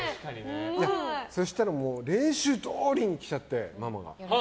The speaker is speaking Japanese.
そしたら練習どおりに来ちゃって、ママが。